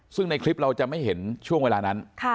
ซึ่งในคลิปเราจะไม่เห็นช่วงเวลานั้น